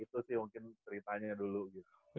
itu sih mungkin ceritanya dulu gitu